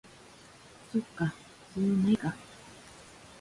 そっか、必要ないか